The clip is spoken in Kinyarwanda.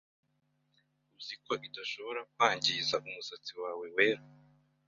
Uzi ko idashobora kwangiza umusatsi wawe wera